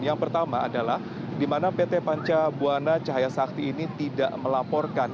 yang pertama adalah di mana pt panca buana cahaya sakti ini tidak melaporkan